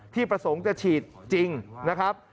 ประสงค์จะฉีดจริงนะครับ